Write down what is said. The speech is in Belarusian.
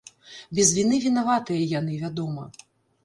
Без віны вінаватыя яны, вядома.